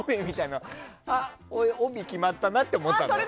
それで帯、決まったなって思ったの。